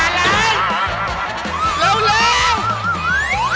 เร็วเร็ว